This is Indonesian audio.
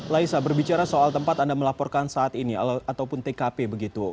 laisa berbicara soal tempat anda melaporkan saat ini ataupun tkp begitu